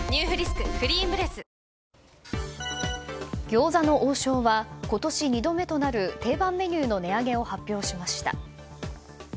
餃子の王将は今年２度目となる定番メニューの値上げを発表しました。